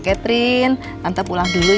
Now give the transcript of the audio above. mbak catherine tante pulang dulu yuk